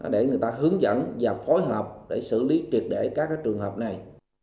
để người ta hướng dẫn và phối hợp để xử lý trực đẩy các trường hợp này